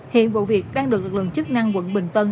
hiện vụ việc đang được lực lượng chức năng quận bình tân